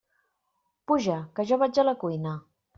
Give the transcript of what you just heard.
Puja, que jo vaig a la cuina.